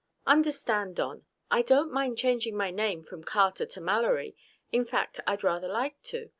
Understand, Don, I don't mind changing my name from Carter to Mallory. In fact, I'd rather like to.